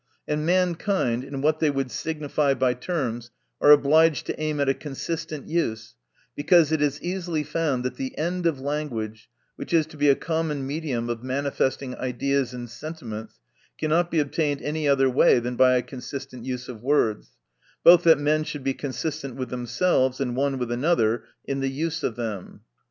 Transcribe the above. And man kind, in what they would signify by terms, are obliged to aim at a consistent use ; because it is easily found that the end of language, which is to be a common medium of manifesting ideas and sentiments, cannot be obtained any other way than by a consistent use of words ; both that men should be consistent with themselves, and one with another, in the use of them.